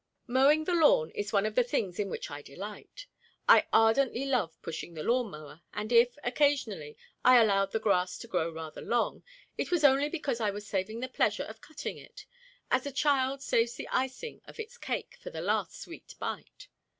Mowing the lawn is one of the things in which I delight. I ardently love pushing the lawn mower, and if, occasionally, I allowed the grass to grow rather long, it was only because I was saving the pleasure of cutting it, as a child saves the icing of its cake for the last sweet bite.